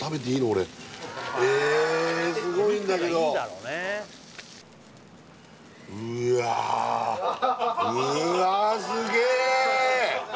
俺えすごいんだけどうわあうわすげえ！